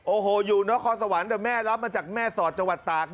โอ้โหอยู่นครสวรรค์แต่แม่รับมาจากแม่สอดจังหวัดตาก